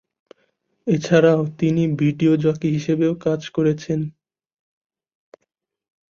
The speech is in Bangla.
এছাড়াও, তিনি ভিডিও জকি হিসেবেও কাজ করেছেন।